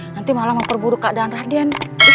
nanti malah memperburu keadaan raden